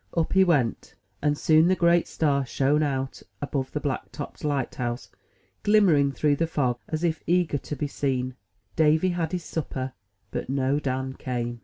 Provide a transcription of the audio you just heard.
Up he went, and soon the great star shown out above the black topped light house, glimmering through the fog, as if eager to be seen. Davy had his supper, but no Dan came.